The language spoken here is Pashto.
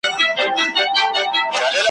ماشومانو په ځیر ځیر ورته کتله ,